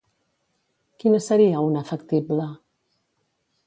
Quina seria una factible?